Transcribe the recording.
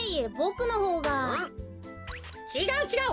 ちがうちがう。